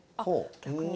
逆に？